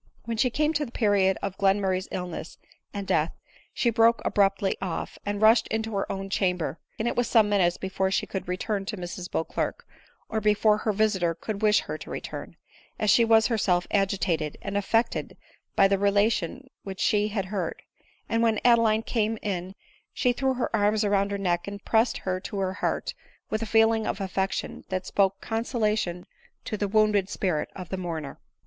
When she came to the period of Glenmurray's illness and death, she broke abruptly off, and rushed into her own chamber ; and it was some minutes before she could re turn to Mrs Beauclerc, or before her visiter could wish her to return, as she was herself agitated and affected by the relation which she had heard ; and when Adeline came in she threw her arras round her neck, and pressed her to her heart with a feeling of affection that spoke consolation to the wounded spirit of the mourner.